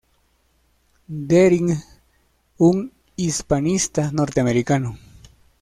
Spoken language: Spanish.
Deering, un hispanista norteamericano.